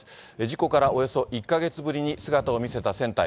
事故からおよそ１か月ぶりに姿を見せた船体。